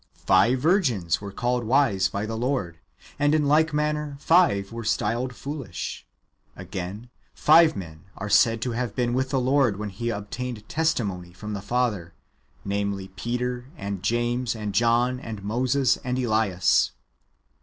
Five virgins^ were called wise by the Lord ; and, in like manner, five were styled foolish. Again, five men are said to have been with the Lord wdien He obtained testimony'* from the Father, — namely, Peter, and James, and John, and Moses, and Elias.